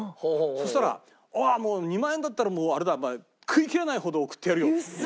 そしたら「２万円だったらもうあれだお前食いきれないほど送ってやるよ」って言って。